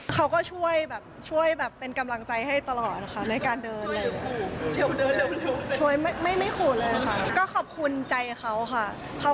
เขาก็ช่วยแบบเป็นกำลังใจให้ตลอดนะคะในการเดิน